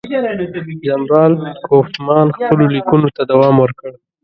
جنرال کوفمان خپلو لیکونو ته دوام ورکړ.